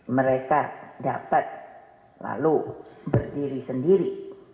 mereka dapat lalu berdiri sendiri